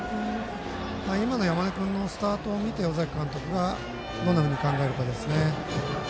今の山根君のスタートを見て尾崎監督がどんなふうに考えるかです。